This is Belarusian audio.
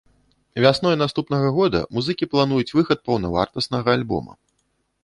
Вясной наступнага года музыкі плануюць выхад паўнавартаснага альбома.